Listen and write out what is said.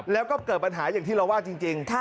แล้วก็เกิดปัญหาอย่างที่เราว่าจริง